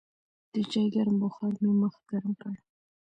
د چای ګرم بخار مې مخ ګرم کړ.